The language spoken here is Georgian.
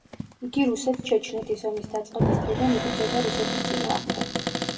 იგი რუსეთ-ჩეჩნეთის ომის დაწყების დღიდან იბრძოდა რუსეთის წინააღმდეგ.